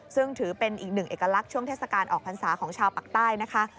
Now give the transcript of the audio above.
ซึ่งถือเป็นอีกหนึ่งเอกลักษณ์ช่วงเทศกาลออกพรรษาของชาวปากใต้นะคะ